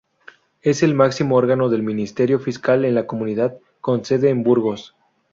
Es el máximo órgano del Ministerio Fiscal en la comunidad, con sede en Burgos.